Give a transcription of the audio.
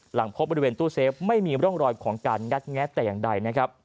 หลังพบบริเวณตู้เซฟไม่มีร่องรอยของการงัดแงะแต่อย่างใดนะครับ